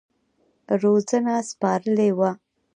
روزنه سپارلې وه.